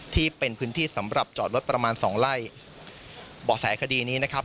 ที่เป็นพื้นที่สำหรับจอดรถประมาณสองไร่เบาะแสคดีนี้นะครับ